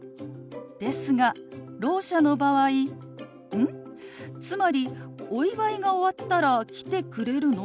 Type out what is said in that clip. ですがろう者の場合「うん？つまりお祝いが終わったら来てくれるの？」